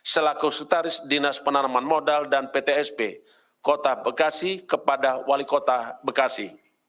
selaku setaris dinas penanaman modal dan ptsp kota bekasi kepada wali kota bekasi